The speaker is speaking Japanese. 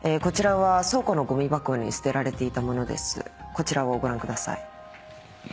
こちらをご覧ください。